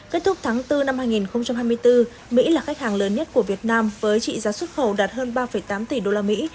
kết thúc tháng bốn năm hai nghìn hai mươi bốn mỹ là khách hàng lớn nhất của việt nam với trị giá xuất khẩu đạt hơn ba tám tỷ đô la mỹ